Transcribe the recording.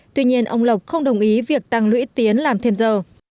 tuy nhiên ông lộc không đồng ý việc tăng lũy tiến làm thêm giờ